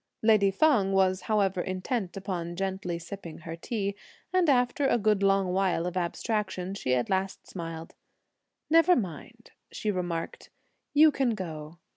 Lady Feng was however intent upon gently sipping her tea, and after a good long while of abstraction, she at last smiled: "Never mind," she remarked; "you can go.